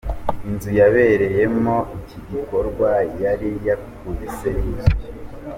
Inzu yabereyemo iki gikorwa yari yakubise yuzuye.